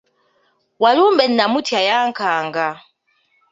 Walumbe namutya yankanga.